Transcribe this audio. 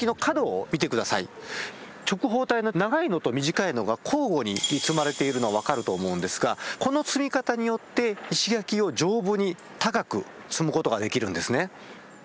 直方体の長いのと短いのが交互に積まれているのが分かると思うんですがこの積み方によって石垣を丈夫に高く積むことができるんですね。